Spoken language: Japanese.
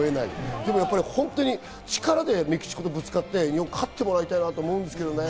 でも、本当に力でメキシコとぶつかって勝ってもらいたいなと思うんですよね。